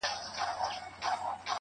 ستا د فراق په توده غېږه کې د څه د پاره